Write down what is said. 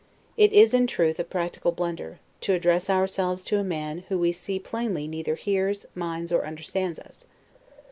It is, in truth, a practical blunder, to address ourselves to a man who we see plainly neither hears, minds, or understands us.